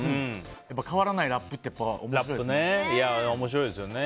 変わらないラップって面白いですね。